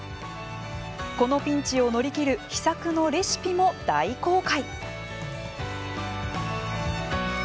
このピンチを乗り切る秘策のレシピも大公開。